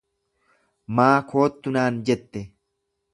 Maa koottu naan jette?